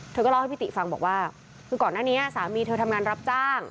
เธอก็เล่าให้พี่ติฟังบอกว่าคือก่อนหน้านี้สามีเธอทำงานรับจ้าง